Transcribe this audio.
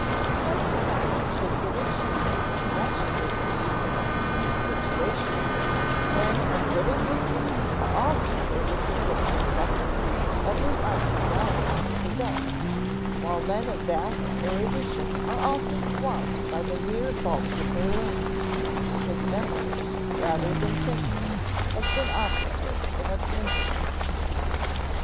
Because their knowledge has been achieved in connection with the needs of specific situations, men of little book learning are often able to put to effective use every ounce of knowledge they possess; while men of vast erudition are often swamped by the mere bulk of their learning, because memory, rather than thinking, has been operative in obtaining it.